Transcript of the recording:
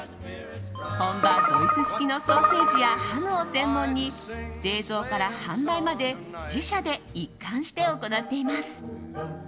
本場ドイツ式のソーセージやハムを専門に製造から販売まで自社で一貫して行っています。